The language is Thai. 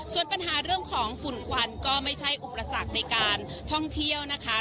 ส่วนปัญหาเรื่องของฝุ่นควันก็ไม่ใช่อุปสรรคในการท่องเที่ยวนะคะ